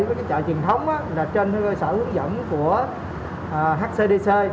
với cái chợ truyền thống là trên hướng dẫn của hcdc